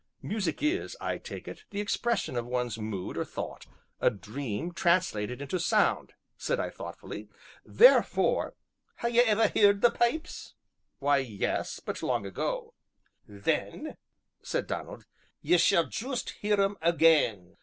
"Music is, I take it, the expression of one's mood or thought, a dream translated into sound," said I thoughtfully, "therefore " "Hae ye ever heard the pipes?" "Why, yes, but long ago." "Then," said Donald, "ye shall juist hear 'em again."